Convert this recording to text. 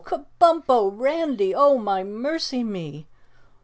Kabumpo! Randy! Oh, my mercy me!"